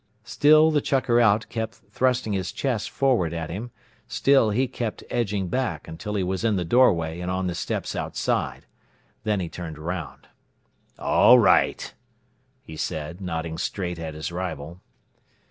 Still the "chucker out" kept thrusting his chest forward at him, still he kept edging back, until he was in the doorway and on the steps outside; then he turned round. "All right," he said, nodding straight at his rival.